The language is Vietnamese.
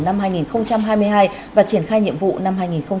năm hai nghìn hai mươi hai và triển khai nhiệm vụ năm hai nghìn hai mươi bốn